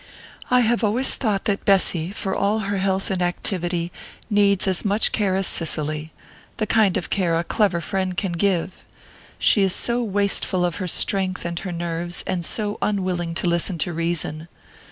"I have always thought that Bessy, for all her health and activity, needs as much care as Cicely the kind of care a clever friend can give. She is so wasteful of her strength and her nerves, and so unwilling to listen to reason.